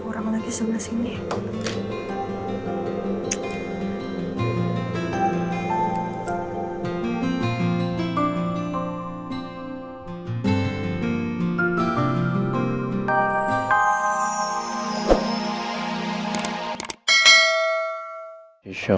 kurang lagi sebelah sini ya